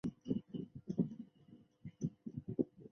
安许茨总部设于德国乌尔姆。